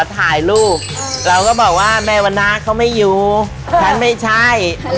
ถ่ายรูปเราก็บอกว่าแม่วันนาเขาไม่อยู่ฉันไม่ใช่